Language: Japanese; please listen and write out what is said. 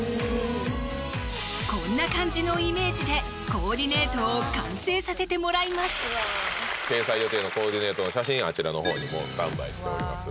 こんな感じのイメージでコーディネートを完成させてもらいます掲載予定のコーディネートの写真あちらのほうにもうスタンバイしております